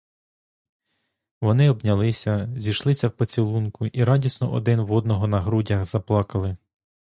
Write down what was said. Вони обнялися, зійшлися в поцілунку і радісно один в одного на грудях — заплакали.